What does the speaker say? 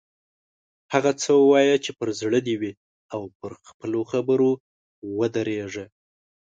هغه څه ووایه چې په زړه دې وي او پر خپلو خبرو ودریږه.